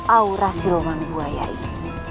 aura siluman buaya ini